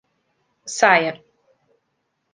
Saia!